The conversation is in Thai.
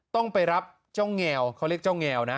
ต้องไปรับเจ้าแงวเขาเรียกเจ้าแงวนะ